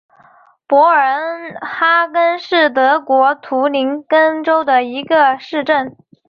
博尔恩哈根是德国图林根州的一个市镇。